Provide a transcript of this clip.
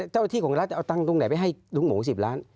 เจ้าที่ของรัฐจะเอาตังค์ตรงไหนไปให้ลุงหมู๑๐ล้าน